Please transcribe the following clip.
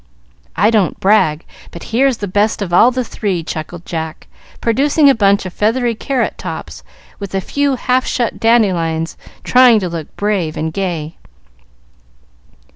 "I don't brag, but here's the best of all the three," chuckled Jack, producing a bunch of feathery carrot tops, with a few half shut dandelions trying to look brave and gay.